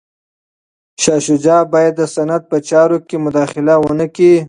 شاه شجاع باید د سند په چارو کي مداخله ونه کړي.